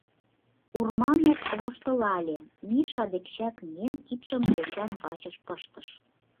Урманов воштылале, Миша дек чак миен, кидшым йочан вачыш пыштыш.